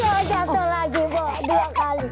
poh jatuh lagi empok dua kali